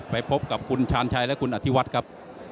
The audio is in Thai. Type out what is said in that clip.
ไปพบกับคุณชาญชัยและคุณอธิวัฒน์ครับ